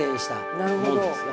なるほど。